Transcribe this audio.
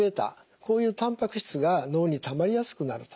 こういうたんぱく質が脳にたまりやすくなると。